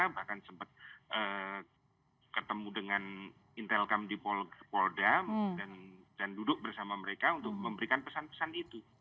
bahkan sempat ketemu dengan intelkam di polda dan duduk bersama mereka untuk memberikan pesan pesan itu